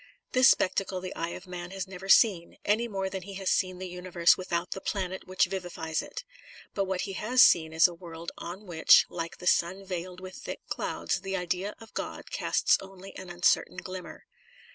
This spectacle the eye of man has never seen, any more than he has seen the universe without the planet which vivifies it. But what he has seen is a world on which, like the sun veiled with thick clouds, the idea of God casts only an uncertain glimmer.